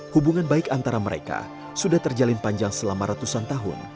hubungan baik antara mereka sudah terjalin panjang selama ratusan tahun